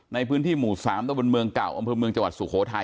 ในพื้นที่หมู่๓ตะบนเมืองเก่าอำเภอเมืองจังหวัดสุโขทัย